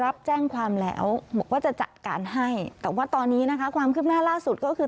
บอกว่าจะจัดการให้แต่ว่าตอนนี้นะคะความขึ้นหน้าร่าสุดก็คือ